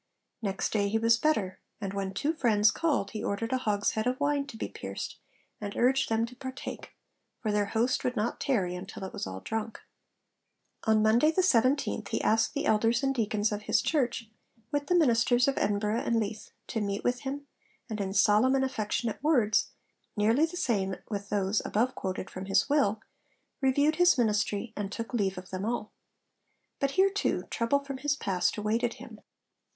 Next day he was better; and when two friends called he ordered a hogshead of wine to be pierced, and urged them to partake, for their host 'would not tarry until it was all drunk.' On Monday, the 17th, he asked the elders and deacons of his church, with the ministers of Edinburgh and Leith, to meet with him; and in solemn and affectionate words, nearly the same with those above quoted from his will, reviewed his ministry and took leave of them all. But here too trouble from his past awaited him.